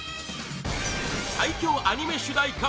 最強アニメ主題歌